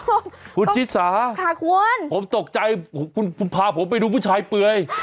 โอ๊ยผู้ชิตสาท้าควรผมตกใจพาผมไปดูผู้ชายเปลือย